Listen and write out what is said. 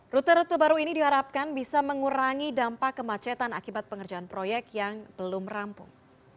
rute rute baru ini diharapkan bisa mengurangi dampak kemacetan akibat pengerjaan proyek yang belum rampung